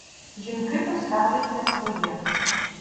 Жінки поставлять на своє.